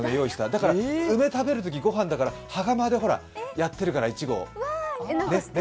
だから梅食べるときご飯だから羽釜でやってるから、１合。